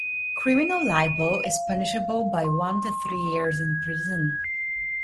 Criminal libel is punishable by one to three years in prison.